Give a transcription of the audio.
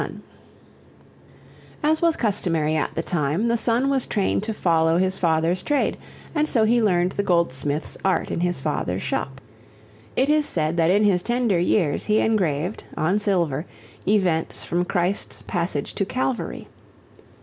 Longfellow] As was customary at the time, the son was trained to follow his father's trade and so he learned the goldsmith's art in his father's shop. It is said that in his tender years he engraved, on silver, events from Christ's passage to Calvary.